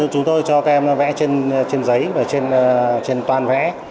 chúng tôi cho các em vẽ trên giấy và trên toàn vẽ